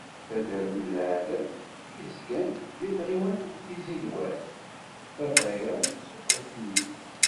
Taddart n Laɛlam, i d-yezgan di tɣiwant n Tizi Lwad, ladayṛa n Ssuq Letnin.